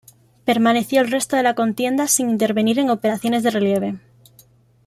Permaneció el resto de la contienda sin intervenir en operaciones de relieve.